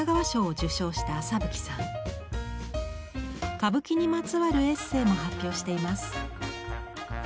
歌舞伎にまつわるエッセイも発表しています。